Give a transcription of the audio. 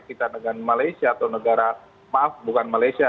kita dengan malaysia atau negara maaf bukan malaysia